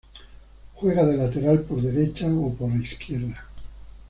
Juega de lateral por derecha o por izquierda.